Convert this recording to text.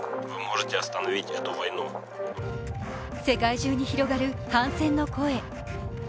世界中に広がる反戦の声。